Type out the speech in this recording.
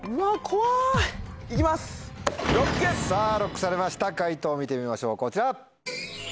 さぁＬＯＣＫされました解答見てみましょうこちら！